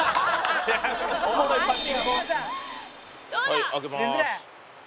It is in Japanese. はい開けまーす。